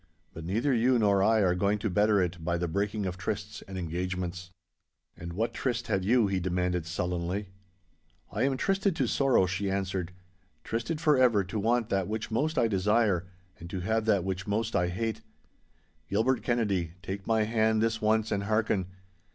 But neither you nor I are going to better it by the breaking of trysts and engagements!' 'And what tryst have you?' he demanded sullenly. 'I am trysted to sorrow,' she answered, 'trysted for ever to want that which most I desire, and to have that which most I hate. Gilbert Kennedy, take my hand this once and hearken.